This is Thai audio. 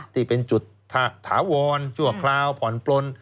ที่เป็นจุดถาวรชั่วคราวผ่อนปลน